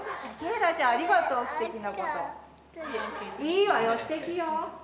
いいわよすてきよ。